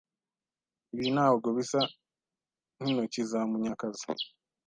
Ibi ntabwo bisa nkintoki za Munyakazi.